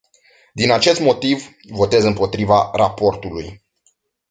Din acest motiv, votez împotriva raportului.